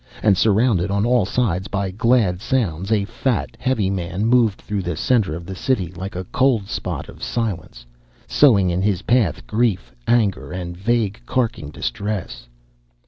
And surrounded on all sides by glad sounds, a fat, heavy man moved through the centre of the city like a cold spot of silence, sowing in his path grief, anger and vague, carking distress.